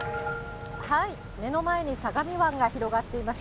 目の前に相模湾が広がっています。